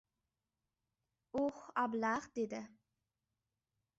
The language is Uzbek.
"Uh, ablah! — dedi.